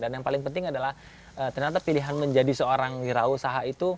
dan yang paling penting adalah ternyata pilihan menjadi seorang wirausaha itu